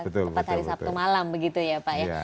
tepat hari sabtu malam begitu ya pak ya